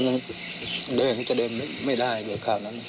แต่ท่านั้นเดินก็จะเดินไม่ได้ด้วยคราวนั้น